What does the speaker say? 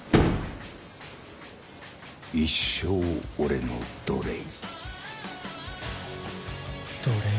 一生俺の奴隷奴隷？